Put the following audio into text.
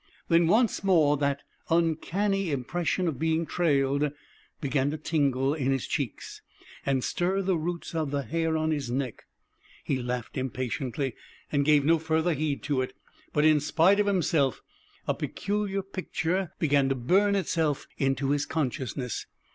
Then once more that uncanny impression of being trailed began to tingle in his cheeks and stir the roots of the hair on his neck. He laughed impatiently, and gave no further heed to it. But, in spite of himself, a peculiar picture began to burn itself into his consciousness.